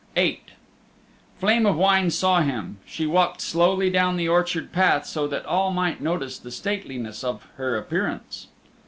VIII Flame of Wine saw him. She walked slowly down the orchard path so that all might notice the stateliness of her appearance.